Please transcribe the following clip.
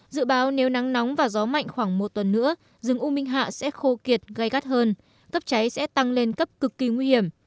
dự báo nếu nắng nóng và gió mạnh khoảng một tuần nữa rừng u minh hạ sẽ khô kiệt gai gắt hơn cấp cháy sẽ tăng lên cấp cực kỳ nguy hiểm